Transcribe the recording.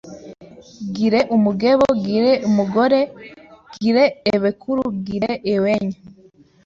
gire umugebo, gire umugore, gire ebekuru, gire iwenyu,